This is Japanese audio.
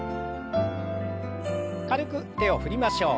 軽く手を振りましょう。